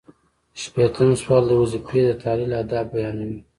شپیتم سوال د وظیفې د تحلیل اهداف بیانوي.